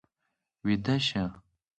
ويده شه.